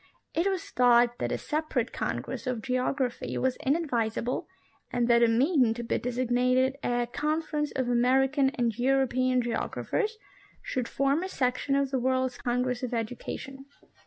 It was thought that a separate congress of geography was inadvisable and that a meeting to be designated a " Conference of American and European geographers," should form a section of the World's Congress of Education.